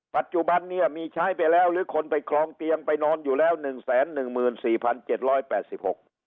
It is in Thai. ปัจจุบันเนี่ยมีใช้ไปแล้วหรือคนไปครองเตียงไปนอนอยู่แล้วหนึ่งแสนหนึ่งหมื่นสี่พันเจ็ดร้อยแปดสิบหก